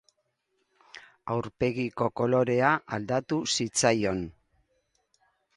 Aurpegiko kolorea aldatu zitzaion.